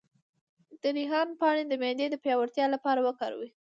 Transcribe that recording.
د ریحان پاڼې د معدې د پیاوړتیا لپاره وکاروئ